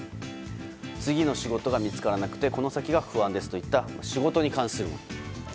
次の仕事が見つからなくてこの先が不安ですといった仕事に関するもの。